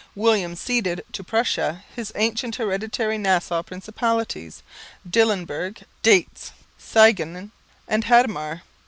William ceded to Prussia his ancient hereditary Nassau principalities Dillenburg, Dietz, Siegen and Hadamar.